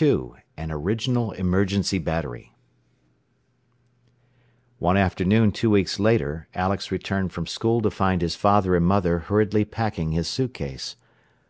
II AN ORIGINAL EMERGENCY BATTERY One afternoon two weeks later Alex returned from school to find his father and mother hurriedly packing his suit case.